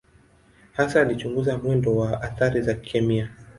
Hasa alichunguza mwendo wa athari za kikemia.